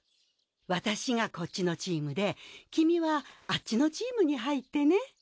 私がこっちのチームで君はあっちのチームに入ってね。